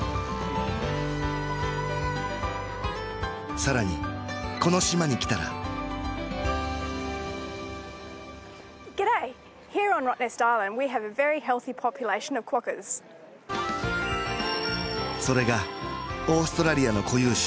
更にこの島に来たらそれがオーストラリアの固有種